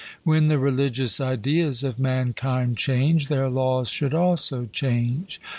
When the religious ideas of mankind change, their laws should also change.